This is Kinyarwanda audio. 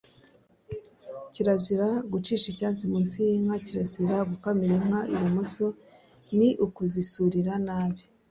Kirazira gucisha icyansi mu nsi y’inka, kirazira gukamira inka I bumoso, ni ukuzisurira nabi